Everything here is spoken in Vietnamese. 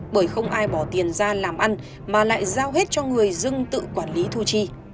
bởi không ai bỏ tiền ra làm ăn mà lại giao hết cho người dân tự quản lý thu chi